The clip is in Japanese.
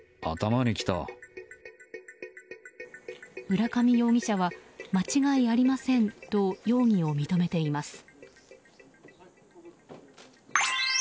浦上容疑者は間違いありませんと容疑を認めています。